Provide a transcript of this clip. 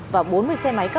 và bốn mươi xe máy cắt